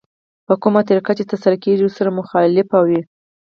په کومه طريقه چې ترسره کېږي ورسره مخالف وي.